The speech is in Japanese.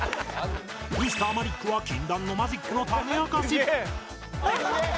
Ｍｒ． マリックは禁断のマジックの種明かし